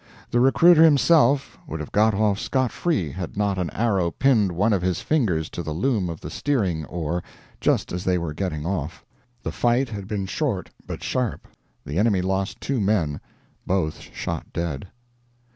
The recruiter himself would have got off scot free had not an arrow pinned one of his fingers to the loom of the steering oar just as they were getting off. The fight had been short but sharp. The enemy lost two men, both shot dead."